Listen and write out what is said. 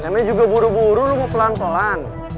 namanya juga buru buru mau pelan pelan